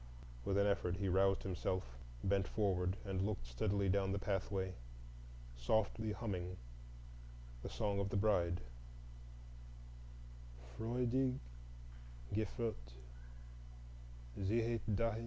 With an effort he roused himself, bent forward, and looked steadily down the pathway, softly humming the "Song of the Bride,"— "Freudig geführt, ziehet dahin."